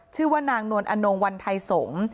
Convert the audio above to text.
ชื่อว่านางนวลอนงวันไทยสงศ์